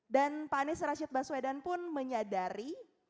dan pak anies rashid baswedan pun menyadari